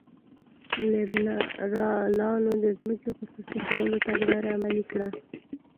لیبرالانو د ځمکې خصوصي کولو تګلاره عملي کړه.